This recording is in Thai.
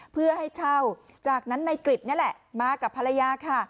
เพื่อให้เช่าจากนั้นนายกริจนี่แหละมากับภรรยาค่ะ